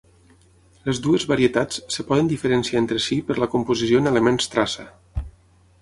Les dues varietats es poden diferenciar entre si per la composició en elements traça.